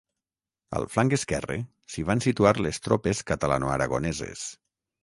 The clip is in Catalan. Al flanc esquerre, s'hi van situar les tropes catalanoaragoneses.